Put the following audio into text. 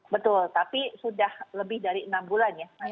betul tapi sudah lebih dari enam bulan ya